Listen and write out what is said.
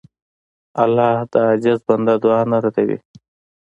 الله د عاجز بنده دعا نه ردوي.